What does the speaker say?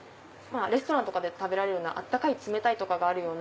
レストランとかで食べられる温かい冷たいとかがあるような。